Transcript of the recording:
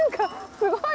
すごい！